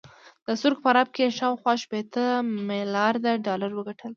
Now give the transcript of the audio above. د سترګو په رپ کې یې شاوخوا شپېته میلارده ډالر وګټل